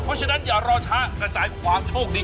ก็จะขึ้นยื่นพอประกอบเข้าไปเพื่อหาคุณท่อมนี้